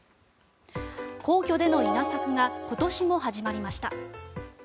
皇居での稲作が今年も始まりました。